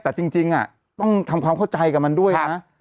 แต่จริงต้องทำความเข้าใจกับมันด้วยนะ